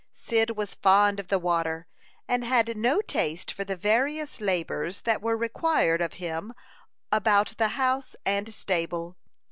Cyd was fond of the water, and had no taste for the various labors that were required of him about the house and stable.